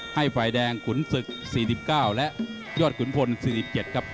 ให้ฝ่ายแดงขุนศึก๔๙และยอดขุนพล๔๗ครับ